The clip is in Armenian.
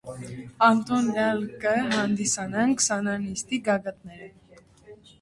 Ատոնք ալ կը հանդիսանան քսանանիստի գագաթներ։